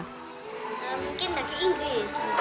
mungkin lagi inggris